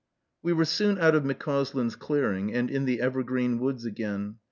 We were soon out of McCauslin's clearing, and in the evergreen woods again.